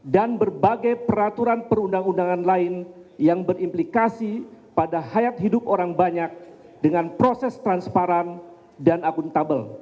dan berbagai peraturan perundang undangan lain yang berimplikasi pada hayat hidup orang banyak dengan proses transparan dan akuntabel